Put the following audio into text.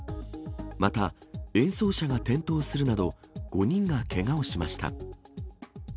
また、演奏者が転倒するなど、５人がけがをしました。